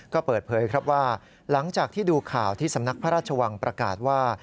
ก็เปิดเผยครับว่าหลังจากที่ดูข่าวที่สำนักพระราชวังประกาศว่า